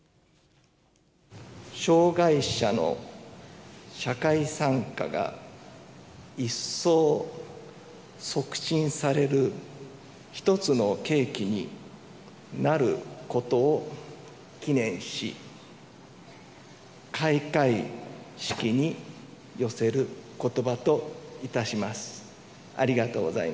障がい者の社会参加が一層促進される一つの契機になることを祈念し、開会式に寄せることばといたします。